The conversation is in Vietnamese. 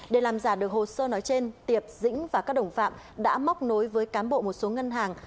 để làm giả được hồ sơ nói trên tiệp dĩnh và các đồng phạm đã móc nối với cán bộ một số ngân hàng